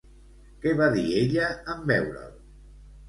Què va dir ella en veure'l?